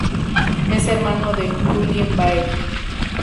Es hermano de Julien Baer.